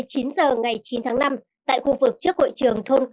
một mươi chín h ngày chín tháng năm tại khu vực trước hội trường thôn cơ